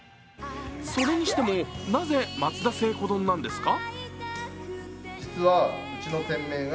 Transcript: それにしても、なぜまつ田せいこ丼なんですか？